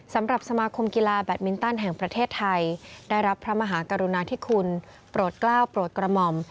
สำหรับสมาคมกีฬาแบตมินตันแห่งประเทศไทยได้รับพระมหากรุณาธิคุณโปรดกล้าวโปรดกระหม่อม